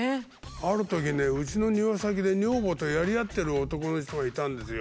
あるときねうちの庭先で女房とやり合ってる男の人がいたんですよ。